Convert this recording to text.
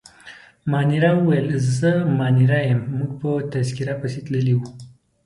مانیرا وویل: زه مانیرا یم، موږ په تذکیره پسې تللي وو.